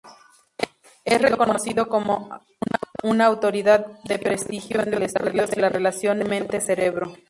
Es reconocido como una autoridad de prestigio en el estudio de la relación mente-cerebro.